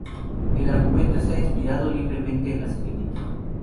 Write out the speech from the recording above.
El argumento está inspirado libremente en "La sirenita".